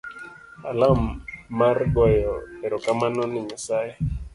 Alam mar goyo erokamano ne nyasaye.